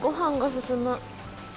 進む？